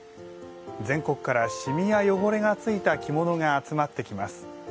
全国から染みや汚れがついた着物が集まってきます。